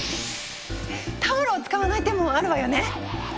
タオルを使わない手もあるわよね！